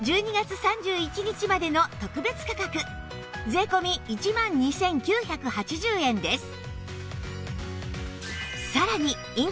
１２月３１日までの特別価格税込１万２９８０円です